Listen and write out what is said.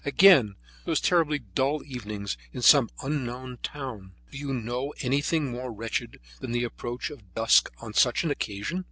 Again, those terribly dull evenings in some unknown town! Do you know anything more wretched than the approach of dusk on such an occasion?